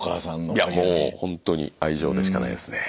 いやもうほんとに愛情でしかないですね。